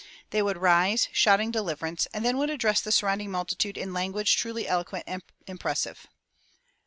They would rise, shouting deliverance, and then would address the surrounding multitude in language truly eloquent and impressive.